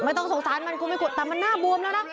ไม่ต้องสงสารมันกูไม่กลัวแต่มันหน้าบวมแล้วนะ